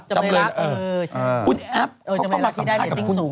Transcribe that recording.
จำเลยรัก